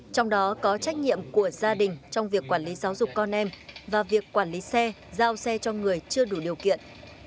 trong đó có trách nhiệm của gia đình trong việc quản lý giáo dục con em và việc quản lý xe giao xe cho người chưa đủ điều kiện